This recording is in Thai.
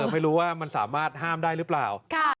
ไม่รู้ว่ามันสามารถห้ามได้หรือเปล่า